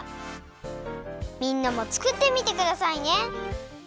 みんなもつくってみてくださいね。